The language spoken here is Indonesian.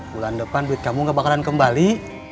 bulan depan duit kamu gak bakalan kembali